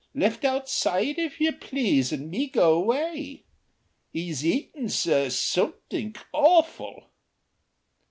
Left outside, if you please, and me go away. 'E's eatin', sir, somethink AWFUL."